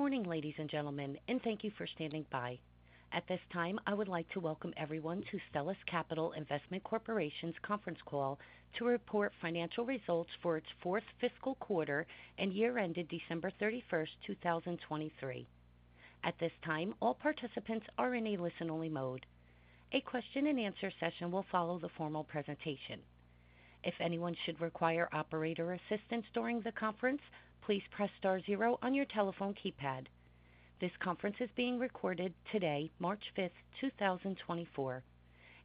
Good morning, ladies and gentlemen, and thank you for standing by. At this time, I would like to welcome everyone to Stellus Capital Investment Corporation's conference call to report financial results for its fourth fiscal quarter and year ended 31 December 2023. At this time, all participants are in a listen-only mode. A question-and-answer session will follow the formal presentation. If anyone should require operator assistance during the conference, please press star zero on your telephone keypad. This conference is being recorded today 5 March 2024.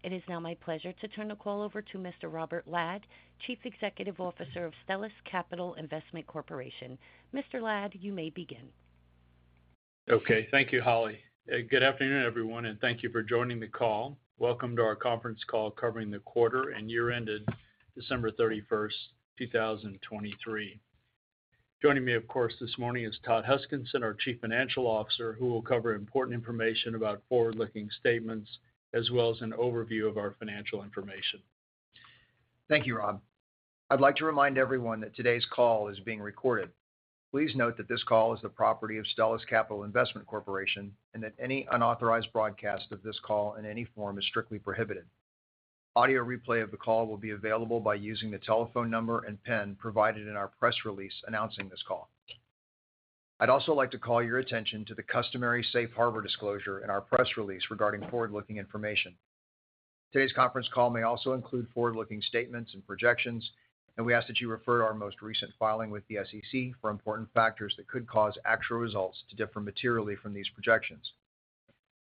It is now my pleasure to turn the call over to Mr. Robert Ladd, Chief Executive Officer of Stellus Capital Investment Corporation. Mr. Ladd, you may begin. Okay. Thank you, Holly. Good afternoon, everyone, and thank you for joining the call. Welcome to our conference call covering the quarter and year-ended 31 December 2023. Joining me, of course, this morning is Todd Huskinson, our Chief Financial Officer, who will cover important information about forward-looking statements, as well as an overview of our financial information. Thank you, Rob. I'd like to remind everyone that today's call is being recorded. Please note that this call is the property of Stellus Capital Investment Corporation, and that any unauthorized broadcast of this call in any form is strictly prohibited. Audio replay of the call will be available by using the telephone number and PIN provided in our press release announcing this call. I'd also like to call your attention to the customary safe harbor disclosure in our press release regarding forward-looking information. Today's conference call may also include forward-looking statements and projections, and we ask that you refer to our most recent filing with the SEC for important factors that could cause actual results to differ materially from these projections.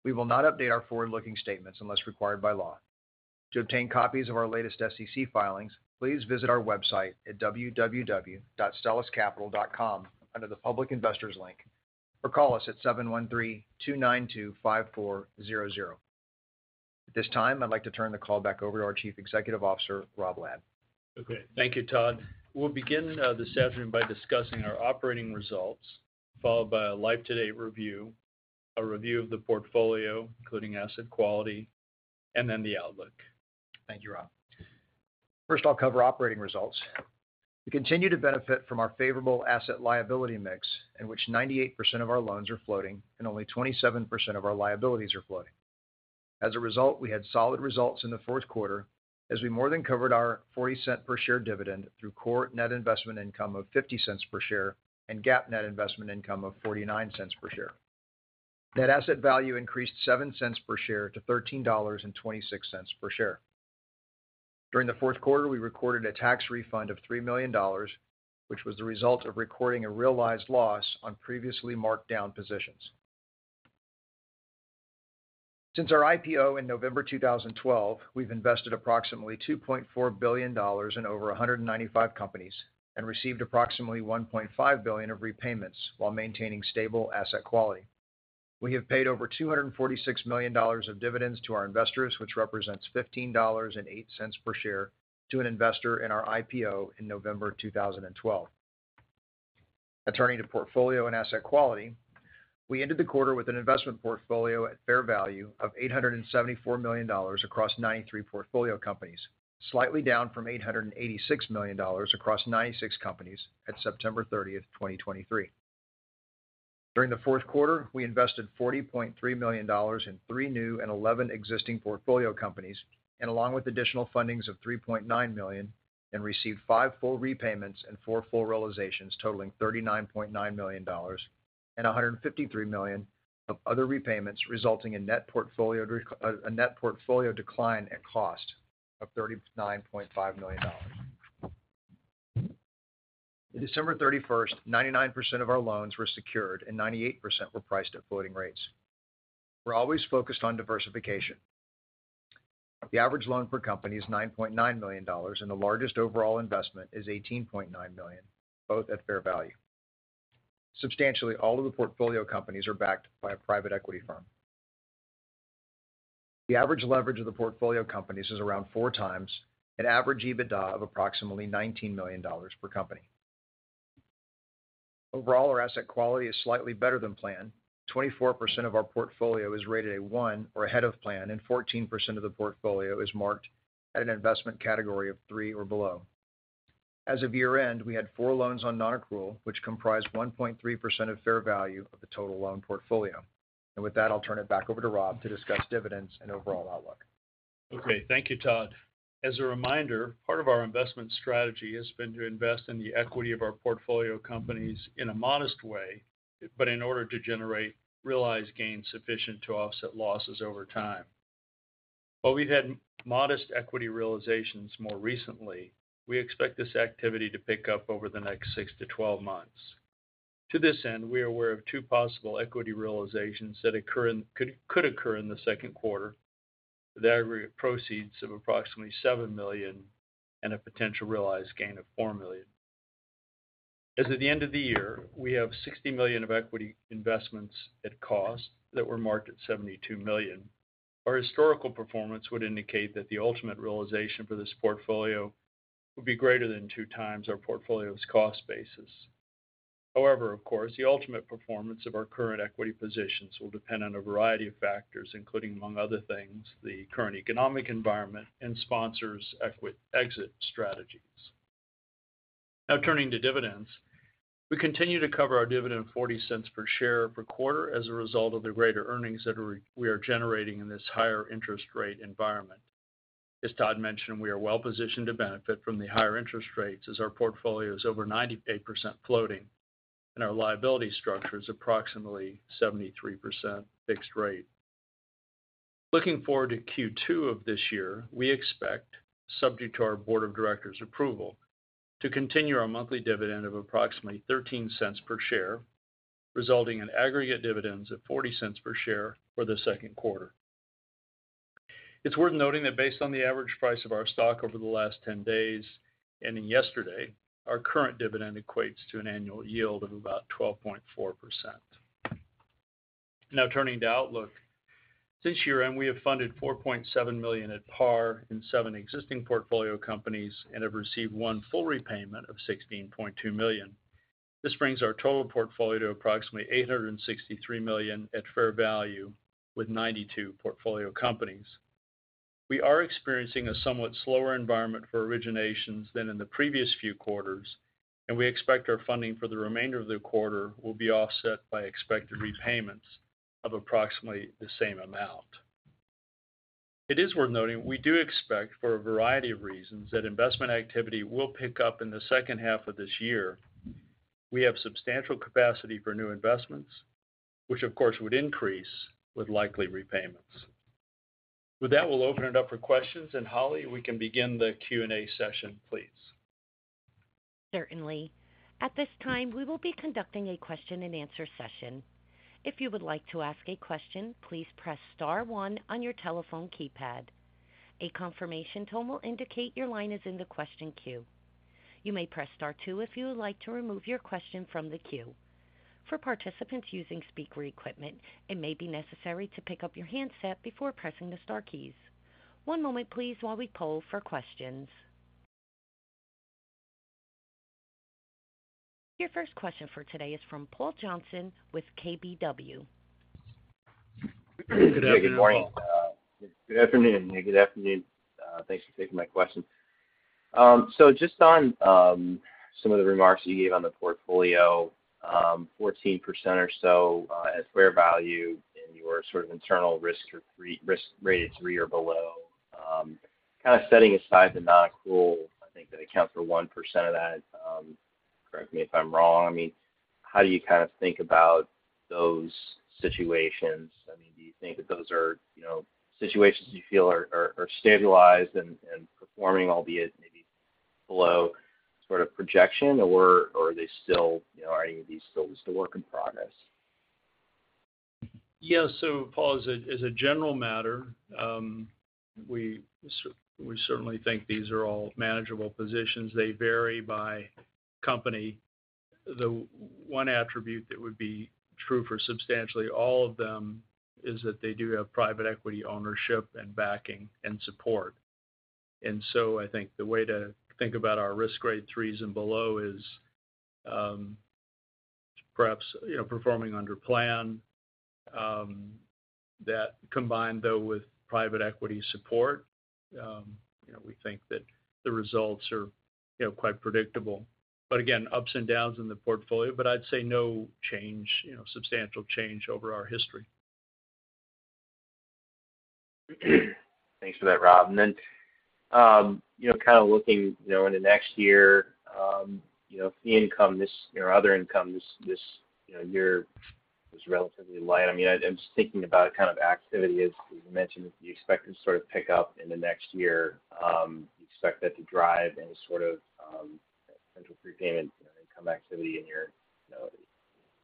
We will not update our forward-looking statements unless required by law. To obtain copies of our latest SEC filings, please visit our website at www.stelluscapital.com under the Public Investors link, or call us at 713-292-5400. At this time, I'd like to turn the call back over to our Chief Executive Officer, Rob Ladd. Okay. Thank you, Todd. We'll begin this afternoon by discussing our operating results, followed by a life-to-date review, a review of the portfolio, including asset quality, and then the outlook. Thank you, Rob. First, I'll cover operating results. We continue to benefit from our favorable asset liability mix, in which 98% of our loans are floating and only 27% of our liabilities are floating. As a result, we had solid results in the fourth quarter, as we more than covered our $0.40 per share dividend through core net investment income of $0.50 per share and GAAP net investment income of $0.49 per share. Net asset value increased $0.07 per share to $13.26 per share. During the fourth quarter, we recorded a tax refund of $3 million, which was the result of recording a realized loss on previously marked-down positions. Since our IPO in November 2012, we've invested approximately $2.4 billion in over 195 companies and received approximately $1.5 billion of repayments while maintaining stable asset quality. We have paid over $246 million of dividends to our investors, which represents $15.08 per share to an investor in our IPO in November 2012. Now turning to portfolio and asset quality. We ended the quarter with an investment portfolio at fair value of $874 million across 93 portfolio companies, slightly down from $886 million across 96 companies at 30 September 2023. During the fourth quarter, we invested $40.3 million in three new and 11 existing portfolio companies, and along with additional fundings of $3.9 million, and received five full repayments and four full realizations, totaling $39.9 million and $153 million of other repayments, resulting in a net portfolio decline at cost of $39.5 million. On December 31, 99% of our loans were secured and 98% were priced at floating rates. We're always focused on diversification. The average loan per company is $9.9 million, and the largest overall investment is $18.9 million, both at fair value. Substantially, all of the portfolio companies are backed by a private equity firm. The average leverage of the portfolio companies is around 4x at average EBITDA of approximately $19 million per company. Overall, our asset quality is slightly better than planned. 24% of our portfolio is rated a one or ahead of plan, and 14% of the portfolio is marked at an investment category of three or below. As of year-end, we had four loans on non-accrual, which comprised 1.3% of fair value of the total loan portfolio. And with that, I'll turn it back over to Rob to discuss dividends and overall outlook. Okay, thank you, Todd. As a reminder, part of our investment strategy has been to invest in the equity of our portfolio companies in a modest way, but in order to generate realized gains sufficient to offset losses over time. While we've had modest equity realizations more recently, we expect this activity to pick up over the next 6-12 months. To this end, we are aware of two possible equity realizations that could occur in the second quarter. With average proceeds of approximately $7 million and a potential realized gain of $4 million. As at the end of the year, we have $60 million of equity investments at cost that were marked at $72 million. Our historical performance would indicate that the ultimate realization for this portfolio would be greater than 2x our portfolio's cost basis. However, of course, the ultimate performance of our current equity positions will depend on a variety of factors, including, among other things, the current economic environment and sponsors' equity exit strategies. Now turning to dividends. We continue to cover our dividend of $0.40 per share per quarter as a result of the greater earnings that we are generating in this higher interest rate environment. As Todd mentioned, we are well positioned to benefit from the higher interest rates as our portfolio is over 98% floating, and our liability structure is approximately 73% fixed rate. Looking forward to Q2 of this year, we expect, subject to our board of directors' approval, to continue our monthly dividend of approximately $0.13 per share, resulting in aggregate dividends of $0.40 per share for the second quarter. It's worth noting that based on the average price of our stock over the last 10 days, ending yesterday, our current dividend equates to an annual yield of about 12.4%. Now turning to outlook. Since year-end, we have funded $4.7 million at par in seven existing portfolio companies and have received one full repayment of $16.2 million. This brings our total portfolio to approximately $863 million at fair value, with 92 portfolio companies. We are experiencing a somewhat slower environment for originations than in the previous few quarters, and we expect our funding for the remainder of the quarter will be offset by expected repayments of approximately the same amount. It is worth noting, we do expect, for a variety of reasons, that investment activity will pick up in the second half of this year. We have substantial capacity for new investments, which of course, would increase with likely repayments. With that, we'll open it up for questions. Holly, we can begin the Q&A session, please. Certainly. At this time, we will be conducting a question-and-answer session. If you would like to ask a question, please press star one on your telephone keypad. A confirmation tone will indicate your line is in the question queue. You may press star two if you would like to remove your question from the queue. For participants using speaker equipment, it may be necessary to pick up your handset before pressing the star keys. One moment please, while we poll for questions. Your first question for today is from Paul Johnson with KBW. Good morning, Paul. Good afternoon. Good afternoon, thanks for taking my question. So just on some of the remarks you gave on the portfolio, 14% or so at fair value in your sort of internal risk rated three or below. Kind of setting aside the non-accrual, I think that accounts for 1% of that, correct me if I'm wrong. I mean, how do you kind of think about those situations? I mean, do you think that those are, you know, situations you feel are stabilized and performing, albeit maybe below sort of projection? Or are they still, you know, are any of these still is a work in progress? Yeah. So, Paul, as a general matter, we certainly think these are all manageable positions. They vary by company. The one attribute that would be true for substantially all of them is that they do have private equity ownership and backing and support. And so I think the way to think about our risk grade threes and below is, perhaps, you know, performing under plan, that combined, though, with private equity support, you know, we think that the results are, you know, quite predictable. But again, ups and downs in the portfolio, but I'd say no change, you know, substantial change over our history. Thanks for that, Rob. And then, you know, kind of looking, you know, in the next year, you know, fee income this year is relatively light. I mean, I'm just thinking about kind of activity. As you mentioned, you expect to sort of pick up in the next year. You expect that to drive any sort of potential prepayment income activity in your, you know,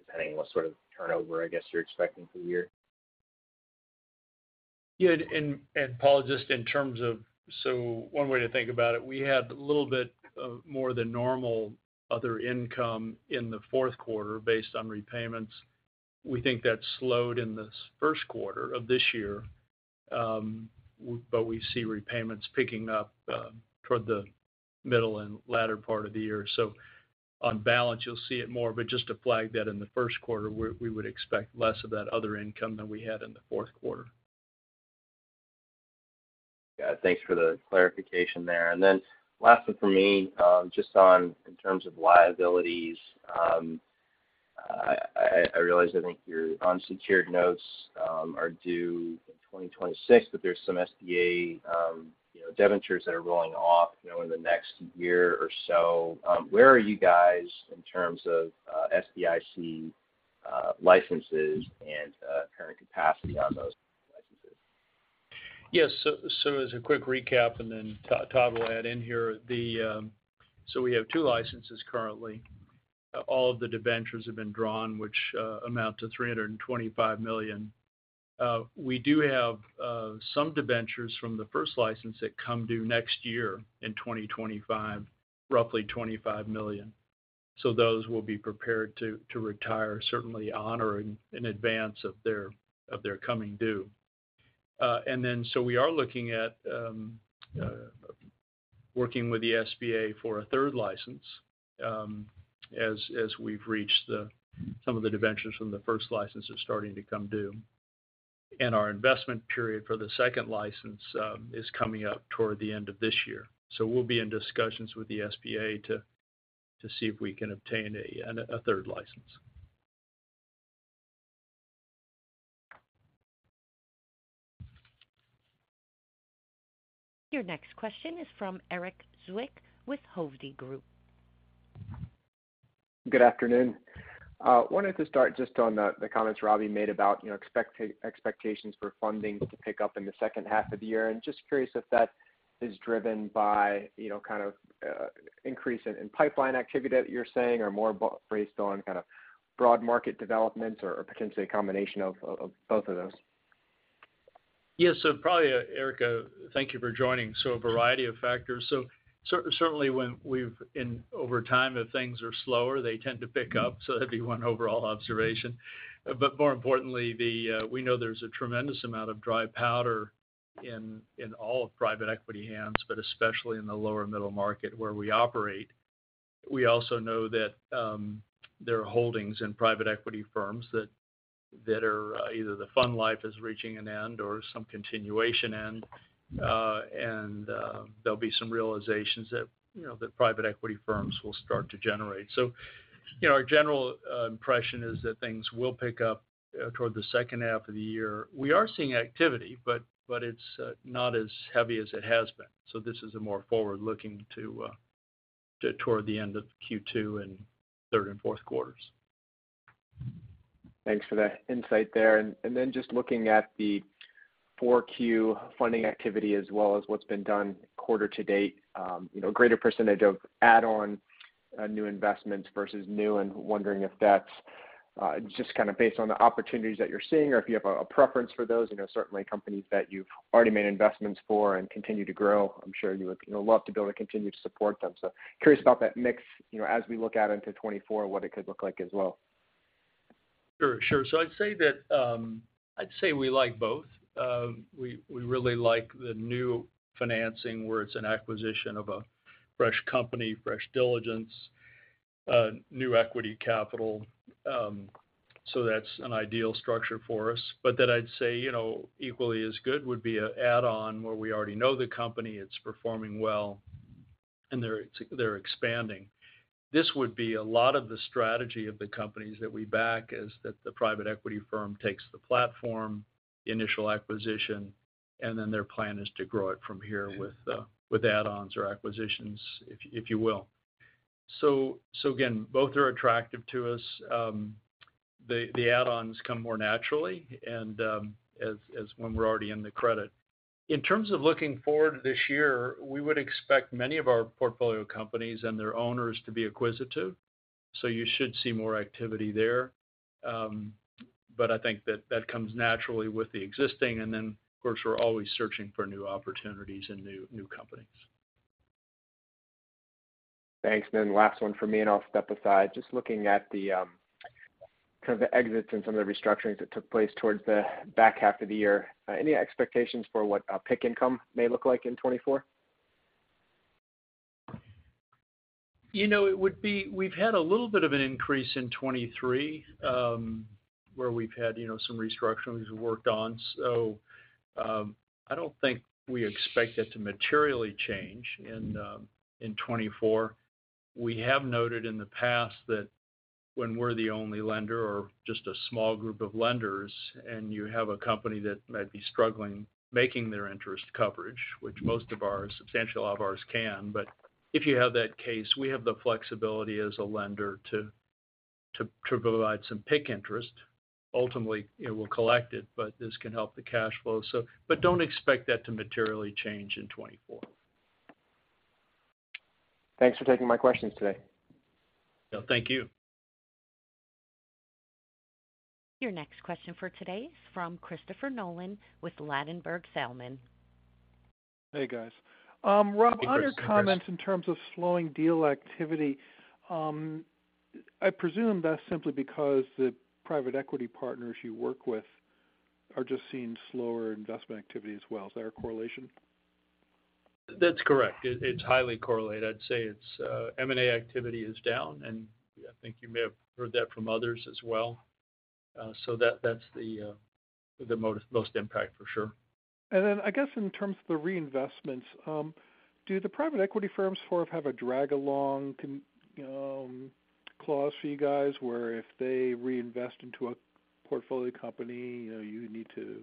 depending on what sort of turnover, I guess, you're expecting for the year? Yeah, and, and Paul, just in terms of... So one way to think about it, we had a little bit of more than normal other income in the fourth quarter based on repayments. We think that slowed in this first quarter of this year, but we see repayments picking up toward the middle and latter part of the year. So on balance, you'll see it more, but just to flag that in the first quarter, we would expect less of that other income than we had in the fourth quarter. Yeah, thanks for the clarification there. And then last one for me, just on in terms of liabilities. I realize, I think your unsecured notes are due in 2026, but there's some SBA, you know, debentures that are rolling off, you know, in the next year or so. Where are you guys in terms of SBIC licenses and current capacity on those licenses? Yes. So, as a quick recap, and then Todd will add in here. So we have two licenses currently. All of the debentures have been drawn, which amount to $325 million. We do have some debentures from the first license that come due next year in 2025, roughly $25 million. So those will be prepared to, to retire, certainly honoring in advance of their, of their coming due. And then so we are looking at working with the SBA for a third license, as, as we've reached the some of the debentures from the first license are starting to come due.... and our investment period for the second license is coming up toward the end of this year. So we'll be in discussions with the SBA to see if we can obtain a third license. Your next question is from Erik Zwick with Hovde Group. Good afternoon. Wanted to start just on the comments Robbie made about, you know, expectations for funding to pick up in the second half of the year, and just curious if that is driven by, you know, kind of, increase in pipeline activity that you're seeing are more based on kind of broad market developments or potentially a combination of both of those? Yes. So probably, Erik, thank you for joining. So a variety of factors. So certainly, when we've and over time, if things are slower, they tend to pick up, so that'd be one overall observation. But more importantly, we know there's a tremendous amount of dry powder in all of private equity hands, but especially in the lower middle market where we operate. We also know that there are holdings in private equity firms that are either the fund life is reaching an end or some continuation end. And there'll be some realizations that, you know, that private equity firms will start to generate. So, you know, our general impression is that things will pick up toward the second half of the year. We are seeing activity, but it's not as heavy as it has been. So this is a more forward-looking to toward the end of Q2 and third and fourth quarters. Thanks for that insight there. And then just looking at the 4Q funding activity as well as what's been done quarter to date, you know, greater percentage of add-on new investments versus new, and wondering if that's just kind of based on the opportunities that you're seeing, or if you have a preference for those. You know, certainly companies that you've already made investments for and continue to grow, I'm sure you would, you know, love to be able to continue to support them. So curious about that mix, you know, as we look out into 2024, what it could look like as well. Sure, sure. So I'd say that, I'd say we like both. We really like the new financing, where it's an acquisition of a fresh company, fresh diligence, new equity capital. So that's an ideal structure for us. But then I'd say, you know, equally as good would be an add-on, where we already know the company, it's performing well, and they're expanding. This would be a lot of the strategy of the companies that we back, is that the private equity firm takes the platform, the initial acquisition, and then their plan is to grow it from here with add-ons or acquisitions, if you will. So again, both are attractive to us. The add-ons come more naturally and, as when we're already in the credit. In terms of looking forward this year, we would expect many of our portfolio companies and their owners to be acquisitive, so you should see more activity there. But I think that that comes naturally with the existing, and then, of course, we're always searching for new opportunities and new, new companies. Thanks. Then last one from me, and I'll step aside. Just looking at the kind of the exits and some of the restructurings that took place towards the back half of the year, any expectations for what PIK income may look like in 2024? You know, it would be. We've had a little bit of an increase in 2023, where we've had, you know, some restructurings worked on. So, I don't think we expect it to materially change in 2024. We have noted in the past that when we're the only lender or just a small group of lenders, and you have a company that might be struggling making their interest coverage, which most of our, a substantial lot of ours can. But if you have that case, we have the flexibility as a lender to provide some PIK interest. Ultimately, it will collect it, but this can help the cash flow. So but don't expect that to materially change in 2024. Thanks for taking my questions today. No, thank you. Your next question for today is from Christopher Nolan with Ladenburg Thalmann. Hey, guys. Rob- Hey, Chris. On your comments in terms of slowing deal activity, I presume that's simply because the private equity partners you work with are just seeing slower investment activity as well. Is that a correlation? That's correct. It's highly correlated. I'd say it's M&A activity is down, and I think you may have heard that from others as well. So that's the most impact, for sure. And then, I guess, in terms of the reinvestments, do the private equity firms sort of have a drag-along clause for you guys, where if they reinvest into a portfolio company, you know, you need to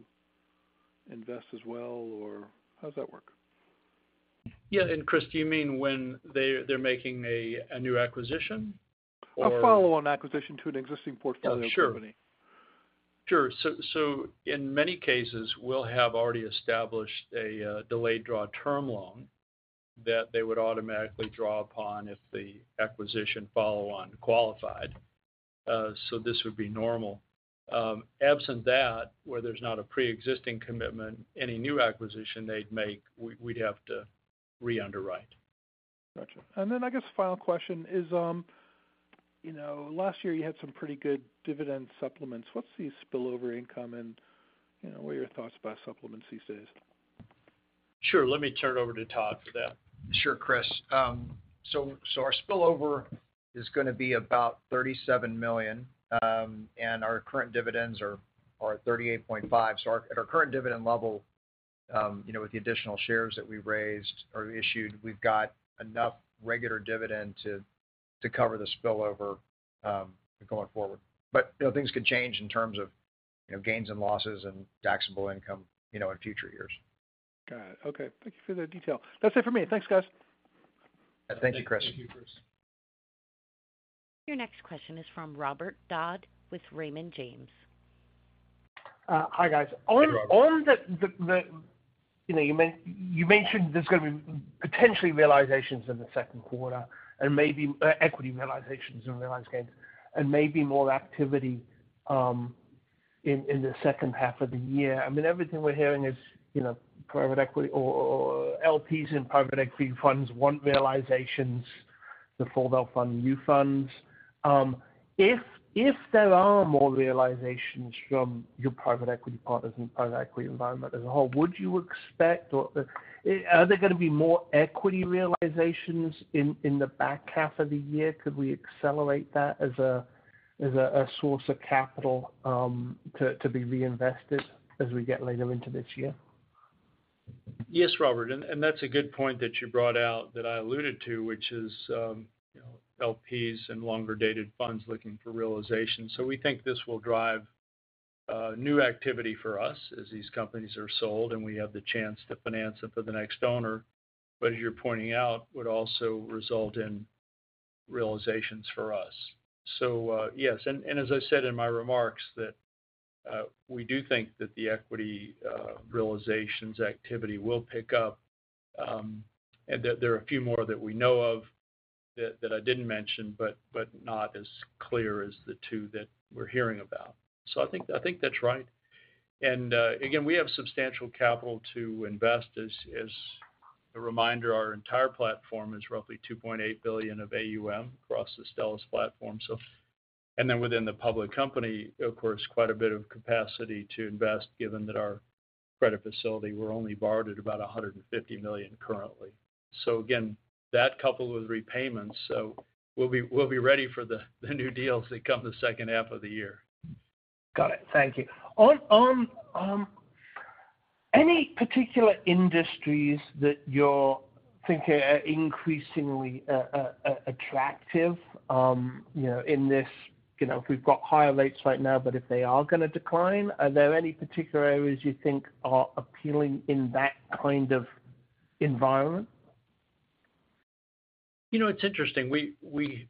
invest as well, or how does that work? Yeah. And, Chris, do you mean when they're making a new acquisition, or? A follow-on acquisition to an existing portfolio company. Sure. Sure. So, so in many cases, we'll have already established a delayed draw term loan that they would automatically draw upon if the acquisition follow-on qualified. So this would be normal. Absent that, where there's not a preexisting commitment, any new acquisition they'd make, we, we'd have to re-underwrite. Gotcha. And then, I guess final question is, you know, last year you had some pretty good dividend supplements. What's the spillover income and, you know, what are your thoughts about supplements these days?... Sure, let me turn it over to Todd for that. Sure, Chris. So our spillover is gonna be about $37 million, and our current dividends are at $38.5 million. So, at our current dividend level, you know, with the additional shares that we raised or issued, we've got enough regular dividend to cover the spillover going forward. But, you know, things could change in terms of, you know, gains and losses and taxable income, you know, in future years. Got it. Okay. Thank you for the detail. That's it for me. Thanks, guys. Thank you, Chris. Thank you, Chris. Your next question is from Robert Dodd with Raymond James. Hi, guys. Hey, Robert. You know, you mentioned there's gonna be potentially realizations in the second quarter and maybe equity realizations and realized gains, and maybe more activity in the second half of the year. I mean, everything we're hearing is, you know, private equity or LPs in private equity funds want realizations before they'll fund new funds. If there are more realizations from your private equity partners and private equity environment as a whole, would you expect or are there gonna be more equity realizations in the back half of the year? Could we accelerate that as a source of capital to be reinvested as we get later into this year? Yes, Robert, and that's a good point that you brought out that I alluded to, which is, you know, LPs and longer-dated funds looking for realization. So we think this will drive new activity for us as these companies are sold, and we have the chance to finance it for the next owner. But as you're pointing out, would also result in realizations for us. So, yes, and as I said in my remarks, that we do think that the equity realizations activity will pick up, and that there are a few more that we know of that I didn't mention, but not as clear as the two that we're hearing about. So I think that's right. And again, we have substantial capital to invest. As a reminder, our entire platform is roughly $2.8 billion of AUM across the Stellus platform, so. And then within the public company, of course, quite a bit of capacity to invest, given that our credit facility, we're only borrowed at about $150 million currently. So again, that coupled with repayments, so we'll be ready for the new deals that come the second half of the year. Got it. Thank you. On any particular industries that you're thinking are increasingly attractive, you know, in this, you know, we've got higher rates right now, but if they are gonna decline, are there any particular areas you think are appealing in that kind of environment? You know, it's interesting. We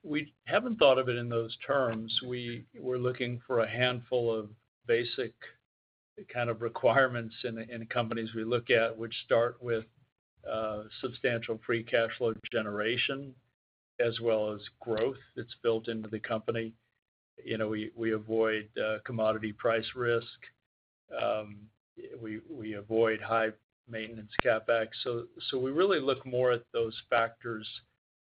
haven't thought of it in those terms. We're looking for a handful of basic kind of requirements in companies we look at, which start with substantial free cash flow generation, as well as growth that's built into the company. You know, we avoid commodity price risk. We avoid high-maintenance CapEx. So we really look more at those factors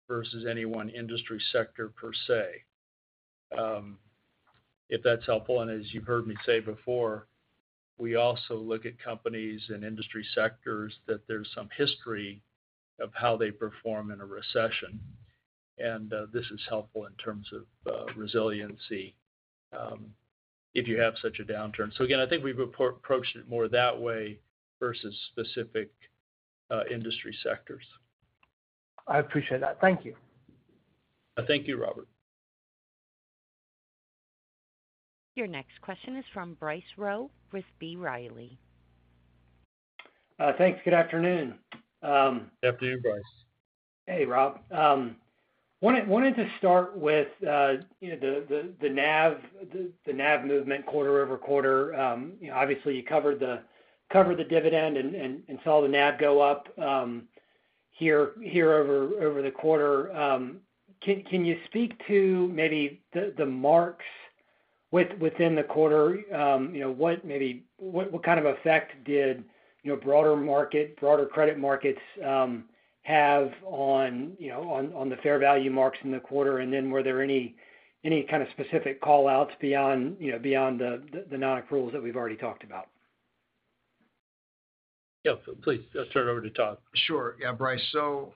versus any one industry sector per se, if that's helpful. And as you've heard me say before, we also look at companies and industry sectors that there's some history of how they perform in a recession, and this is helpful in terms of resiliency, if you have such a downturn. So again, I think we've approached it more that way versus specific industry sectors. I appreciate that. Thank you. Thank you, Robert. Your next question is from Bryce Rowe with B. Riley. Thanks. Good afternoon. Good afternoon, Bryce. Hey, Rob. Wanted to start with, you know, the NAV movement quarter-over-quarter. Obviously, you covered the dividend and saw the NAV go up, here over the quarter. Can you speak to maybe the marks within the quarter? You know, what kind of effect did, you know, broader market, broader credit markets, have on, you know, on the fair value marks in the quarter? And then were there any kind of specific call-outs beyond, you know, the non-accruals that we've already talked about? Yeah, please. Let's turn it over to Todd. Sure. Yeah, Bryce. So,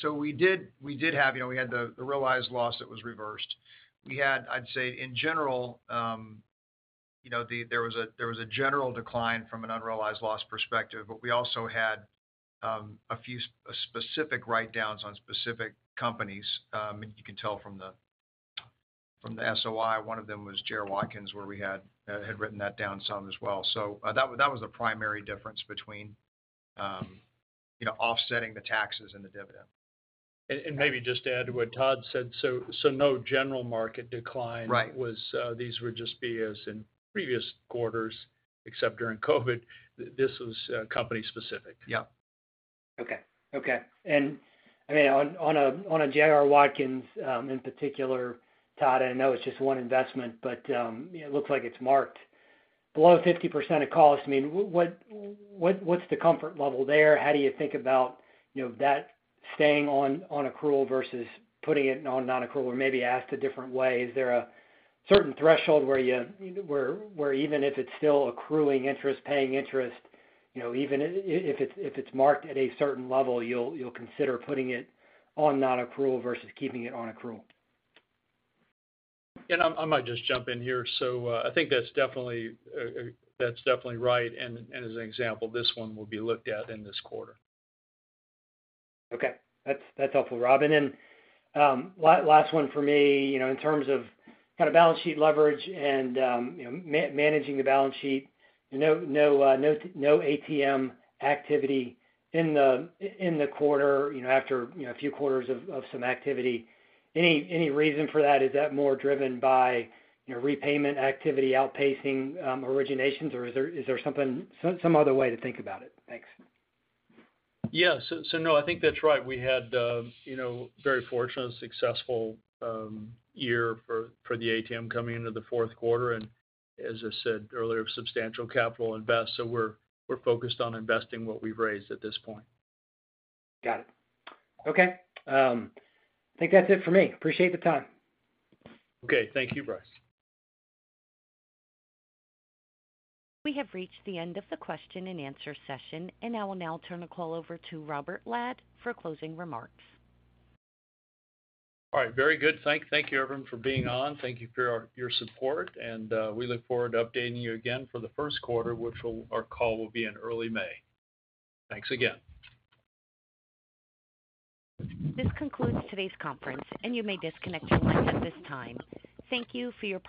so we did, we did have. You know, we had the, the realized loss that was reversed. We had, I'd say, in general, you know, the, there was a, there was a general decline from an unrealized loss perspective, but we also had, a few, a specific write-downs on specific companies. You can tell from the, from the SOI. One of them was J.R. Watkins, where we had, had written that down some as well. So, that was, that was the primary difference between, you know, offsetting the taxes and the dividend. Maybe just to add to what Todd said, so no general market decline- Right These would just be, as in previous quarters, except during COVID, this was, company specific. Yeah. Okay, okay. I mean, on a J.R. Watkins, in particular, Todd, I know it's just one investment, but it looks like it's marked below 50% of cost. I mean, what's the comfort level there? How do you think about, you know, that staying on accrual versus putting it on non-accrual? Or maybe asked a different way, is there a certain threshold where even if it's still accruing interest, paying interest, you know, even if it's marked at a certain level, you'll consider putting it on non-accrual versus keeping it on accrual? I might just jump in here. So, I think that's definitely right. And as an example, this one will be looked at in this quarter. Okay. That's, that's helpful, Rob. And then, last one for me. You know, in terms of kind of balance sheet leverage and, you know, managing the balance sheet, no ATM activity in the, in the quarter, you know, after, you know, a few quarters of, of some activity. Any reason for that? Is that more driven by, you know, repayment activity outpacing, originations, or is there something, some other way to think about it? Thanks. Yeah. So no, I think that's right. We had, you know, very fortunate and successful year for the ATM coming into the fourth quarter, and as I said earlier, substantial capital invest. So we're focused on investing what we've raised at this point. Got it. Okay, I think that's it for me. Appreciate the time. Okay, thank you, Bryce. We have reached the end of the question and answer session, and I will now turn the call over to Robert Ladd for closing remarks. All right. Very good. Thank you, everyone, for being on. Thank you for your support, and we look forward to updating you again for the first quarter, which will, our call will be in early May. Thanks again. This concludes today's conference, and you may disconnect your lines at this time. Thank you for your participation.